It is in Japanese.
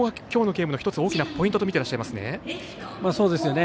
きょうのゲームの１つ大きなポイントと見ていらっしゃいますね。